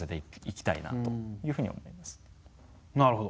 なるほど。